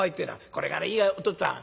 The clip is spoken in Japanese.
「これがねいいよお父っつぁん。